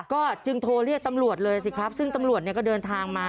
ก็จึงโทรเรียกตำรวจเลยสิครับซึ่งตำรวจเนี่ยก็เดินทางมา